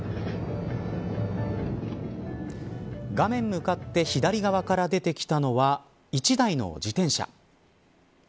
画面向かって左側から出てきたのは１台の自転車。